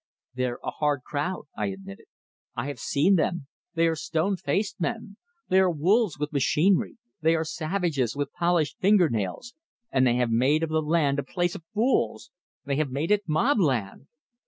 "They're a hard crowd " I admitted. "I have seen them! They are stone faced men! They are wolves with machinery! They are savages with polished fingernails! And they have made of the land a place of fools! They have made it Mobland!"